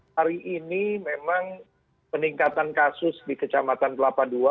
hari ini memang peningkatan kasus di kecamatan kelapa ii